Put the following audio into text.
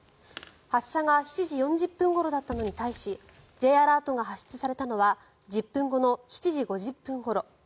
発射が７時４０分ごろだったのに対しＪアラートが発出されたのは１０分後の７時５０分ごろ。